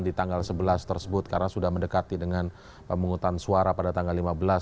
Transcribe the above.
di tanggal sebelas tersebut karena sudah mendekati dengan pemungutan suara pada tanggal lima belas